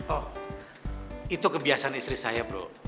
oh itu kebiasaan istri saya bro